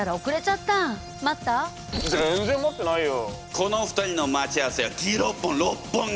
この２人の待ち合わせはギロッポン六本木！